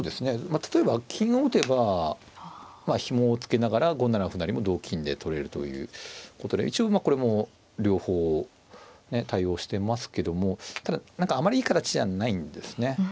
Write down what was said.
例えば金を打てばひもを付けながら５七歩成も同金で取れるということで一応これも両方対応してますけどもただあまりいい形じゃないんですね。